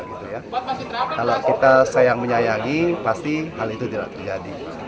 kalau kita sayang menyayangi pasti hal itu tidak terjadi